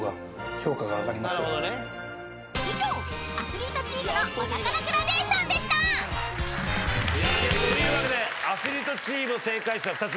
［以上アスリートチームのお宝グラデーションでした］というわけでアスリートチームの正解数は２つ。